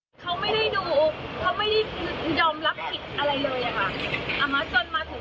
เขาไม่ได้ดูเขาไม่ได้ยอมรับผิดอะไรเลยนะคะ